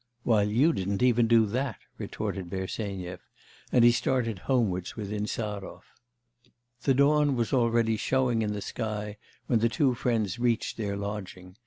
'While you didn't even do that,' retorted Bersenyev, and he started homewards with Insarov. The dawn was already showing in the sky when the two friends reached their lodging.